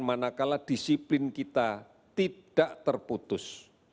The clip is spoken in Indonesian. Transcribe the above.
manakala disiplin kita tidak terputus